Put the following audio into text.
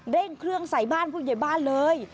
เร่งเครื่องใส่บ้านผู้ใหญ่บ้านเลย